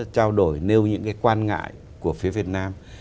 trao đổi nêu những cái quan ngại của phía việt nam